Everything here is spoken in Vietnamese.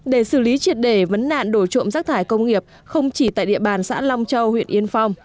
để xử lý triệt đề vấn nạn đổ trộm rác thải công nghiệp không chỉ tại địa bàn xã long châu huyện yên phong